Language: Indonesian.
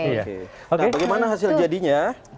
nah bagaimana hasil jadinya